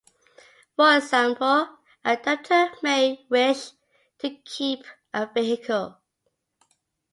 For example, a debtor may wish to keep a vehicle.